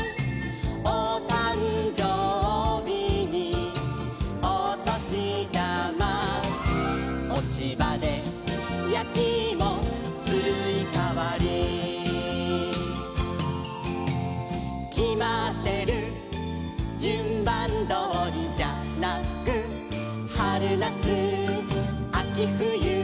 「おたんじょうびにおとしだま」「おちばでやきいもすいかわり」「きまってるじゅんばんどおりじゃなく」「はるなつあきふゆ」